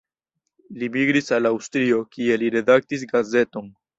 Li migris al Aŭstrio, kie li redaktis gazeton.